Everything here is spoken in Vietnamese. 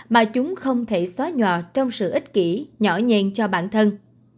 mà chúng không thể xóa nhòa trong sự ích kỷ nhỏ nhẹn cho bản thân